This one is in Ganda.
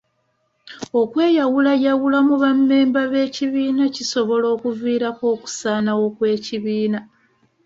Okweyawulayawula mu bammemba b'ekibiina kisobola okuviirako okusaanawo kw'ekibiina.